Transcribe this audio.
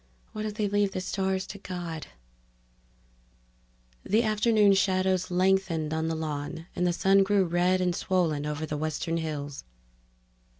Why don't they leave the stars to God?_ The afternoon shadows lengthened on the lawn and the sun grew red and swollen over the western hills.